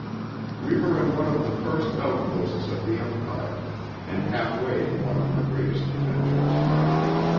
We were in one of the first outposts of the Empire, and halfway to one of her greatest adventures.